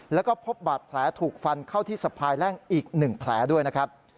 แล้วก็พบบาดแผลถูกฟันเข้าที่สะพายแล่งอีก๑แผลด้วยนะครับ